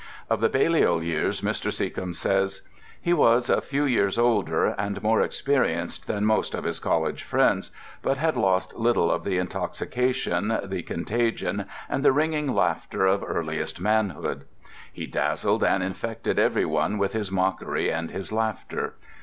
Of the Balliol years Mr. Seccombe says: "He was a few years older and more experienced than most of his college friends, but had lost little of the intoxication, the contagion and the ringing laughter of earliest manhood. He dazzled and infected everyone with his mockery and his laughter.